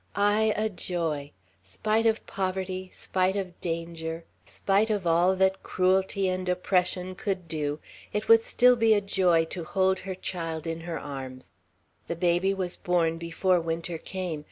Ay, a joy! Spite of poverty, spite of danger, spite of all that cruelty and oppression could do, it would still be a joy to hold her child in her arms. The baby was born before winter came.